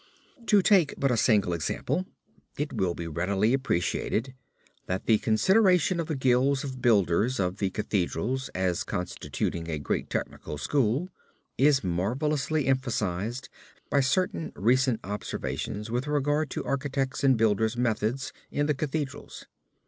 To take but a single example, it will be readily appreciated that the consideration of the guilds of builders of the Cathedrals as constituting a great technical school, is marvelously emphasized by certain recent observations with regard to architects' and builders' methods in the Cathedrals.